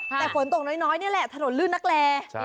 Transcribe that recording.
แต่ฝนตกน้อยนี่แหละถนนลื่นนักแล